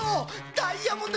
ダイヤモンド！